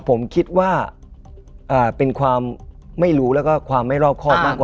ผมคิดว่าเป็นความไม่รู้แล้วก็ความไม่รอบครอบมากกว่า